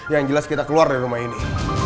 yang jelas kita keluar dari rumah ini